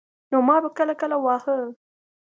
نو ما به کله کله واهه.